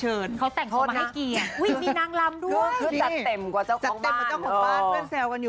ช่วยจัดเต็มกว่าเจ้าของบ้าน